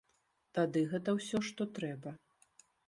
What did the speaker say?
Тады гэта ўсё, што трэба.